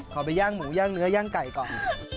ไปย่างหมูย่างเนื้อย่างไก่ก่อน